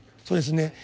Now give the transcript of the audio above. そうですね。